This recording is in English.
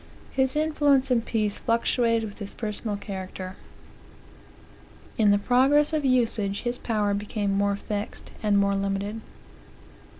His influence in peace fluctuated with his personal character. In the progress of usage his power became more fixed and more limited.